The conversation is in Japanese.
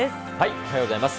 おはようございます。